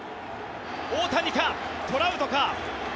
大谷か、トラウトか。